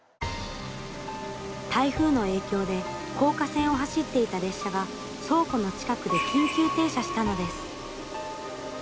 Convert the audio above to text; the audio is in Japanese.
台風の影響で高架線を走っていた列車が倉庫の近くで緊急停車したのです。